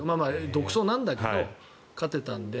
独走なんだけど勝てたので。